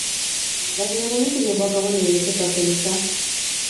La ceremonia se llevó a cabo en la iglesia católica St.